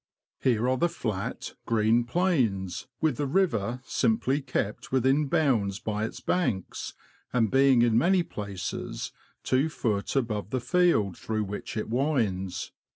Here are the flat, green plains, with the river simply kept within bounds by its banks, and being in many places 2ft. above the field through which it winds.